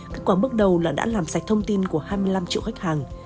kết quả bước đầu là đã làm sạch thông tin của hai mươi năm triệu khách hàng